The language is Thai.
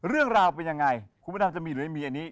เรื่องราวเป็นยังไงคุณพระดำจะมีหรือไม่มีอันนี้